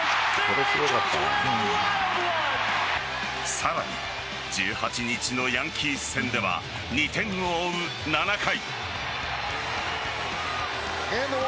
さらに１８日のヤンキース戦では２点を追う７回。